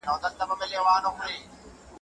چې د حق پر لاره باندې به روان شوې